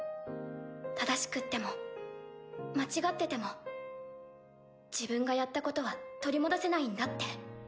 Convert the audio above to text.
正しくっても間違ってても自分がやったことは取り戻せないんだって。